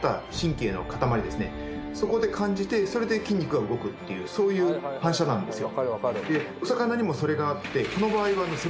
そこで感じてそれで筋肉が動くっていうそういう反射なんですよ。